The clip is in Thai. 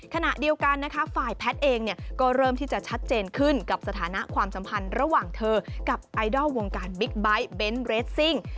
ขณะเดียวกันนะคะฝ่ายแพทย์เองเนี่ยก็เริ่มที่จะชัดเจนขึ้นกับสถานะความสัมพันธ์ระหว่างเธอกับไอดอลวงการบิ๊กไบท์เบนท์เรสซิ่ง